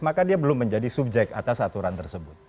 maka dia belum menjadi subjek atas aturan tersebut